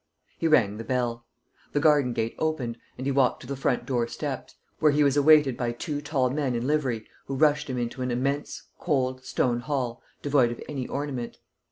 He rang the bell. The garden gate opened and he walked to the front door steps, where he was awaited by two tall men in livery who ushered him into an immense, cold, stone hall, devoid of any ornament.